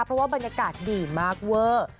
เพราะว่าบรรยากาศดีมากเวอร์